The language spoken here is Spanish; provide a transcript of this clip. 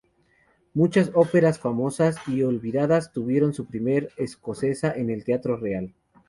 Muchas óperas, famosas y olvidadas, tuvieron su premier escocesa en el Teatro Real.